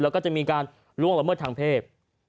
แล้วก็จะมีการล่วงละเมิดทางเพศ